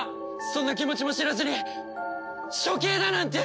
そんな気持ちも知らずに処刑だなんて！